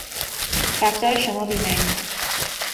رفتار شما بیمعنی است.